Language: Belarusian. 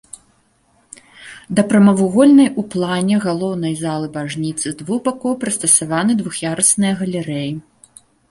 Да прамавугольнай у плане галоўнай залы бажніцы з двух бакоў прыстасаваны двух'ярусныя галерэі.